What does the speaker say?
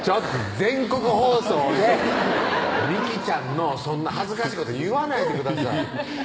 全国放送で美紀ちゃんのそんな恥ずかしいこと言わないでください